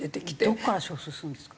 どこから招集するんですか？